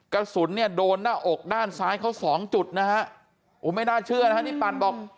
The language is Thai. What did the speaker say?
กระสุนโดนหน้าอกด้านซ้ายเขา๒จุดไม่น่าเชื่อนะครับนี่ปันบอก